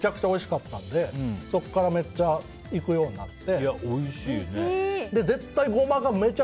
で、食べたらめちゃくちゃおいしかったのでそこからめっちゃ行くようになって。